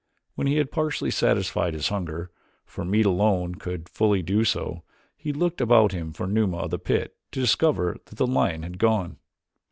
When he had partially satisfied his hunger, for meat alone could fully do so, he looked about him for Numa of the pit to discover that the lion had gone.